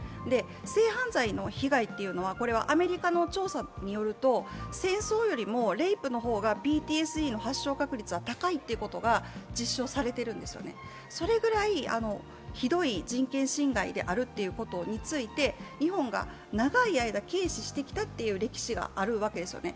性犯罪の被害というのは、これはアメリカの調査によると戦争よりもレイプの方がＰＴＳＤの発症確率が実証されているんですよね、それくらいひどい人権侵害であるということについて日本が長い間、軽視してきたという歴史があるわけですよね。